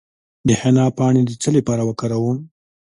د حنا پاڼې د څه لپاره وکاروم؟